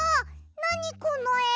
なにこのえ！